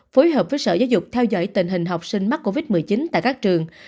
giáo dục theo dõi tình hình học sinh mắc covid một mươi chín tại các trường